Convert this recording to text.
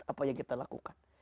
apa yang kita lakukan